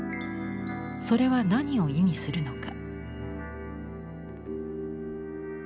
それは何を意味するのか。